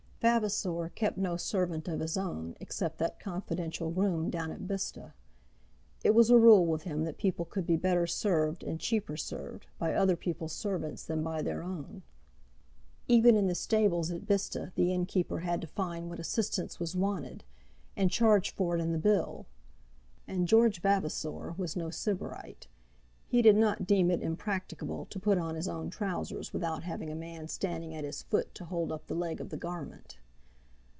Vavasor kept no servant of his own except that confidential groom down at Bicester. It was a rule with him that people could be better served and cheaper served by other people's servants than by their own. Even in the stables at Bicester the innkeeper had to find what assistance was wanted, and charge for it in the bill. And George Vavasor was no Sybarite. He did not deem it impracticable to put on his own trousers without having a man standing at his foot to hold up the leg of the garment.